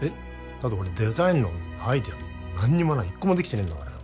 だって俺デザインのアイデア何にもない一個もできてねえんだからよ